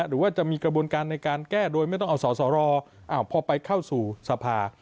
หรือว่าจะมีกระบวนการในการแก้โดยไม่ต้องเอาสอสอรอพอไปเข้าสู่สภา